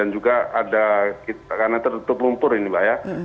juga ada karena tertutup lumpur ini mbak ya